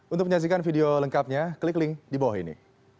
untuk menyaksikan video lengkapnya klik link di bawah ini